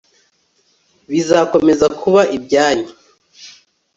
bizakomeza kuba ibyanyu